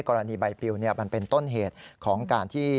กรณีใบปิวมันเป็นต้นเหตุของการที่